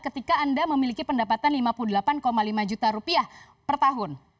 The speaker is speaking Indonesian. ketika anda memiliki pendapatan lima puluh delapan lima juta rupiah per tahun